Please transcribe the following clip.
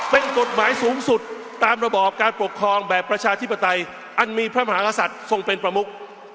เป็นกฎหมายสูงสุดตามระบอบการปกครองแบบประชาธิปไตยอันมีพระมหากษัตริย์ทรงเป็นประมุก